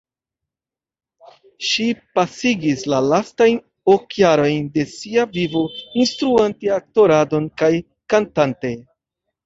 Ŝi pasigis la lastajn ok jarojn de sia vivo instruante aktoradon kaj kantante.